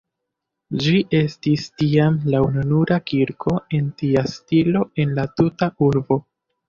Ĝi estis tiam la ununura kirko en tia stilo en la tuta urbo.